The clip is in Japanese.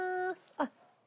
あっ！